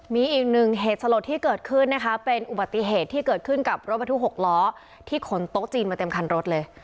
มีอีกหนึ่งเหตุสลดที่เกิดขึ้นนะคะเป็นอุบัติเหตุที่เกิดขึ้นกับรถบรรทุก๖ล้อที่ขนโต๊ะจีนมาเต็มคันรถเลย